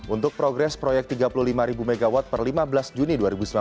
untuk progres proyek tiga puluh lima mw per lima belas juni dua ribu sembilan belas